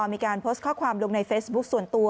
มีการโพสต์ข้อความลงในเฟซบุ๊คส่วนตัว